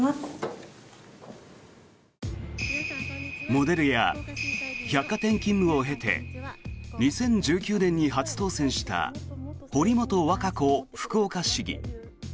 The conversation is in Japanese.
モデルや百貨店勤務を経て２０１９年に初当選した堀本和歌子福岡市議。